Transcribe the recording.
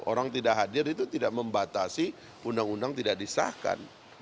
orang tidak hadir itu tidak membatasi undang undang tidak disahkan